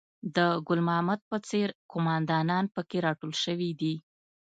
د ګل محمد په څېر قوماندانان په کې راټول شوي دي.